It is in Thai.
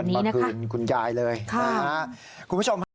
เอาเงินมาคืนคุณยายเลยนะคะ